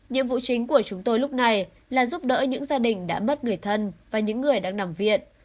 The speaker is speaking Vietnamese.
nhiệm vụ chính của chúng tôi lúc này là giúp đỡ những gia đình đã mất người thân và những người đang nằm viện